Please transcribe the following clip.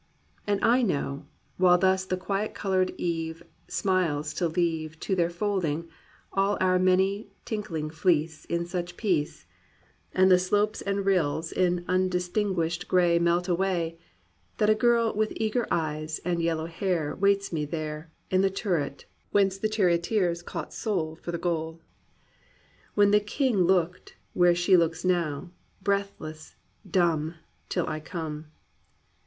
And I know, while thus the quiet coloured eve Smiles to leave To their folding, all our many tinkling fleece In such peace, 254 GLORY OF THE IMPERFECT" And the slopes and rills in undistinguished gray Melt away — That a girl with eager eyes and yellow hair Waits me there In the turret whence the charioteers caught soul For the goal. When the king looked, where she looks now, breathless, dumb Till I come.